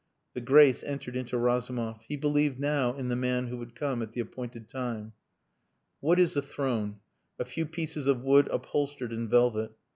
The grace entered into Razumov. He believed now in the man who would come at the appointed time. What is a throne? A few pieces of wood upholstered in velvet.